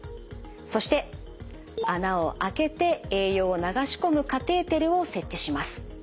そして穴を開けて栄養を流し込むカテーテルを設置します。